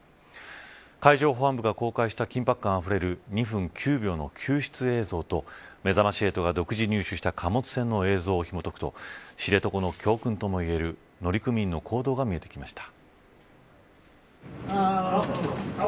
海上保安部が公開した緊迫感あふれる２分９秒の救出映像とめざまし８が独自入手した貨物船の映像をひも解くと知床の教訓ともいえる乗組員の行動が見えてきました。